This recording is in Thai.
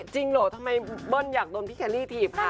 จริงเหรอทำไมเบิ้ลอยากโดนพี่แคลรี่ถีบค่ะ